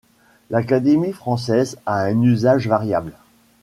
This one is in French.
L'Académie française a un usage variable.